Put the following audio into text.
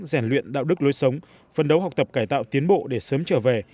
rèn luyện đạo đức lối sống phân đấu học tập cải tạo tiến bộ để sớm trở về